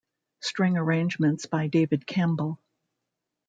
String arrangements by David Campbell.